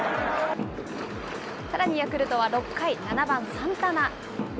さらに、ヤクルトは６回、７番サンタナ。